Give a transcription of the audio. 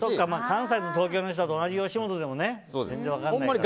関西と東京の人だと同じ吉本だと全然分からないから。